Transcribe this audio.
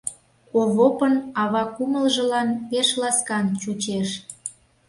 Овопын ава кумылжылан пеш ласкан чучеш.